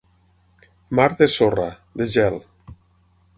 Mar de sorra, de gel.